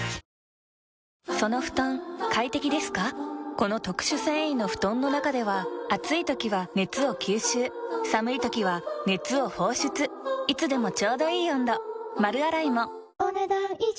この特殊繊維の布団の中では暑い時は熱を吸収寒い時は熱を放出いつでもちょうどいい温度丸洗いもお、ねだん以上。